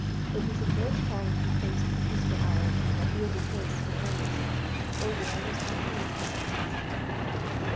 It was the first time the Prince of the Peaceful Island had wielded his in earnest, for war was unknown in his island.